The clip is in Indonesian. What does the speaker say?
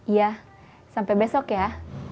iya sampai besok ya